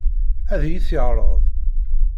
Ad iyi-t-yeɛṛeḍ?